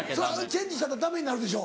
チェンジしたらダメになるでしょ。